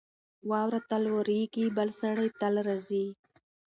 واوره تل اورېږي. بل سړی تل راځي.